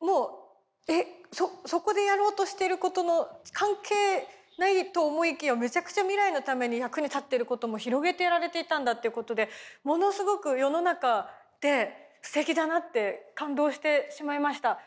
もうそこでやろうとしてることの関係ないと思いきやめちゃくちゃ未来のために役に立ってることも広げてやられていたんだということでものすごく世の中ってすてきだなって感動してしまいました。